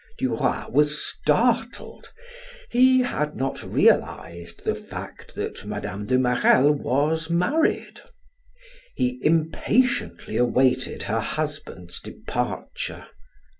Duroy was startled; he had not realized the fact that Mme. de Marelle was married. He impatiently awaited her husband's departure.